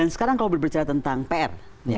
sekarang kalau berbicara tentang pr